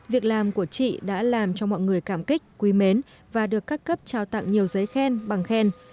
việc làm của chị đã làm cho mọi người cảm kích quý mến và được các cấp trao tặng nhiều giấy khen bằng khen